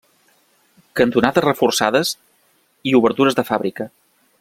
Cantonades reforçades i obertures de fàbrica.